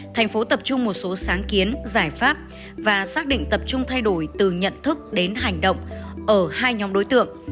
thành phố tập trung một số sáng kiến giải pháp và xác định tập trung thay đổi từ nhận thức đến hành động ở hai nhóm đối tượng